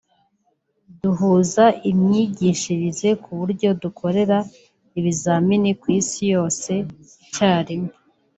duhuza imyigishirize ku buryo dukora ibizamini ku isi yose icyarimwe